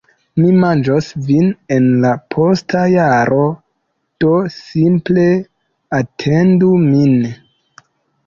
Mi manĝos vin en la posta jaro, do simple atendu min.